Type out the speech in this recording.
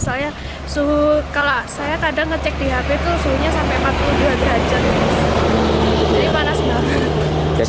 soalnya suhu kalau saya kadang ngecek di hp itu suhunya sampai empat puluh dua derajat jadi panas banget